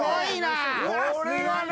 これがね